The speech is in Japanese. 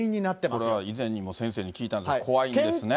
これは以前にも先生に聞いたんですが、怖いんですね。